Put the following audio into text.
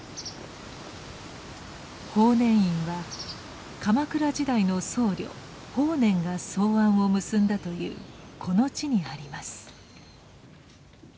法然院は鎌倉時代の僧侶・法然が草庵を結んだというこの地にあります。